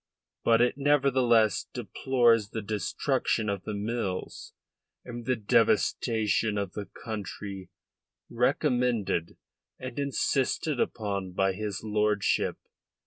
But it nevertheless deplores the destruction of the mills and the devastation of the country recommended and insisted upon by his lordship.